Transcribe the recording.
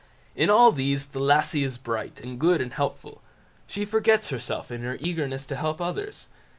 In all these the lassie is bright, and good, and helpful; she forgets herself in her eagerness to help others.